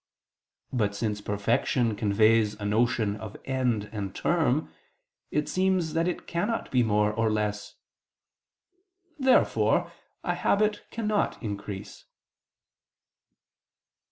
But since perfection conveys a notion of end and term, it seems that it cannot be more or less. Therefore a habit cannot increase.